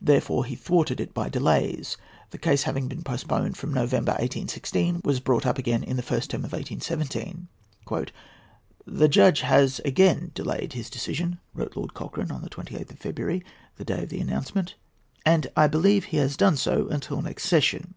Therefore he thwarted it by delays. The case having been postponed from November, 1816, was brought up again in the first term of 1817. "The judge has again delayed his decision," wrote Lord Cochrane on the 28th of February, the day of the announcement, "and I believe has done so until next session.